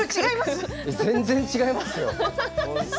全然違いますよ。